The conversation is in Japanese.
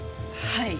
はい。